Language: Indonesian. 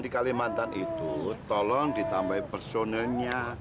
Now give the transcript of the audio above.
di kalimantan itu tolong ditambahi personelnya